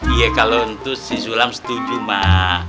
iya kalau itu si zulam setuju mak